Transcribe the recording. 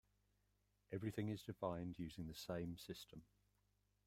Everything is defined using the same system.